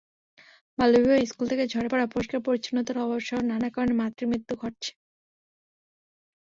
বাল্যবিবাহ, স্কুল থেকে ঝরে পড়া, পরিষ্কার-পরিচ্ছন্নতার অভাবসহ নানা কারণে মাতৃমৃত্যু ঘটছে।